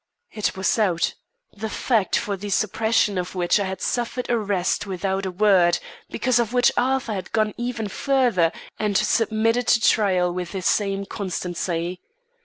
It was out the fact for the suppression of which I had suffered arrest without a word; because of which Arthur had gone even further, and submitted to trial with the same constancy.